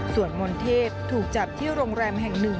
ส่วนมนเทพถูกจับที่โรงแรมแห่งหนึ่ง